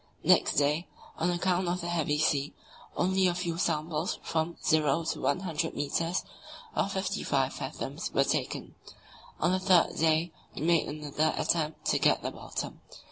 Next day, on account of the heavy sea, only a few samples from 0 to 100 metres (54 fathoms) were taken. On the third day we made another attempt to get the bottom.